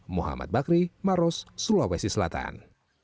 muhammad bakri maros sulawesi selatan